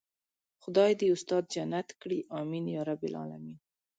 خدای دې استاد جنت کړي آمين يارب العالمين.